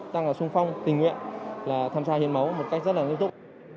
đang xung phong tình nguyện tham gia hiến máu một cách rất là nguyên tục